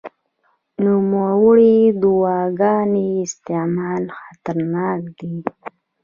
د نوموړو دواګانو استعمال خطرناک دی.